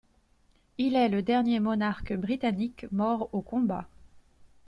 Il est le dernier monarque britannique mort au combat.